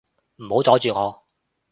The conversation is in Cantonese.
唔好阻住我